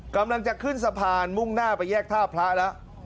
กำลังจะขึ้นสะพานมุ่งหน้าไปแยกท่าพระแล้ว